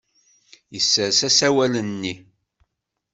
Yessers asawal-nni.